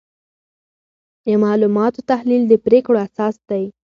د معلوماتو تحلیل د پریکړو اساس دی.